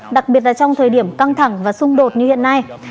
đặc biệt là trong thời điểm căng thẳng và xung đột như hiện nay